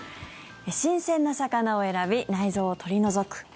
新鮮な魚を選び内臓を取り除く。